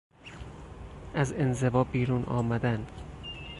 از انزوا بیرون آمدن